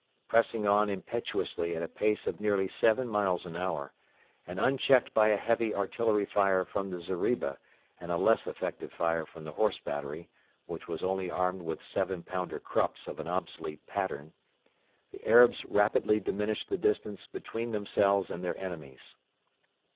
Pressing on impetuously at a pace of nearly seven miles an hour, and unchecked by a heavy artillery fire from the zeriba and a less effective fire from the Horse battery, which was only armed with 7 pounder Krupps of an obsolete pattern, the Arabs rapidly diminished the distance between themselves and their enemies.